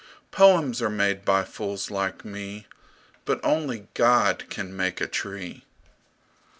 Poems are made by fools like me, But only God can make a tree!